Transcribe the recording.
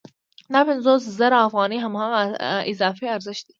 دا پنځوس زره افغانۍ هماغه اضافي ارزښت دی